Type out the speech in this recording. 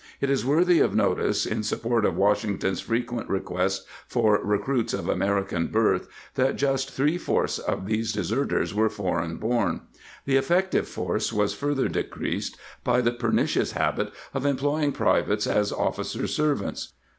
It is worthy of notice, in support of Washington's frequent request for recruits of American birth, that just three fourths of these deserters were foreign born.' The ef fective force was further decreased by the per nicious habit of employing privates as officers' servants.